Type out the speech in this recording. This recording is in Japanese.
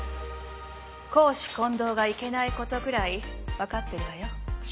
公私混同がいけないことぐらい分かってるわよ。